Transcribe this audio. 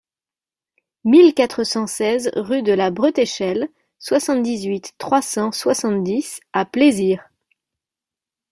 mille quatre cent seize rue de la Bretéchelle, soixante-dix-huit, trois cent soixante-dix à Plaisir